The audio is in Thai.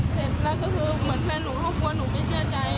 เสร็จแล้วก็คือเหมือนแฟนหนูเขากลัวหนูไม่เชื่อใจ